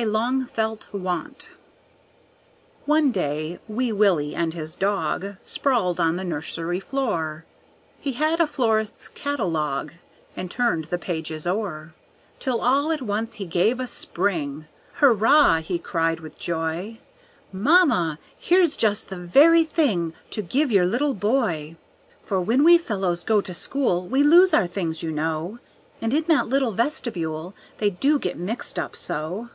A Long Felt Want One day wee Willie and his dog Sprawled on the nursery floor. He had a florist's catalogue, And turned the pages o'er, Till all at once he gave a spring, "Hurrah!" he cried with joy; "Mamma, here's just the very thing To give your little boy! "For when we fellows go to school, We lose our things, you know; And in that little vestibule They do get mixed up so.